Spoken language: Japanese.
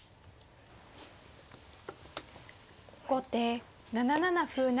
後手７七歩成。